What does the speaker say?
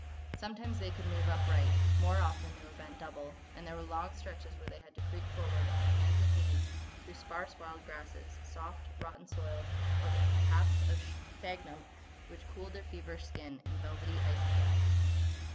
Sometimes they could move upright; more often they were bent double; and there were long stretches where they had to creep forward on hands and knees through sparse wild grasses, soft, rotten soil, or paths of sphagnum which cooled their feverish skin in velvety, icy depths.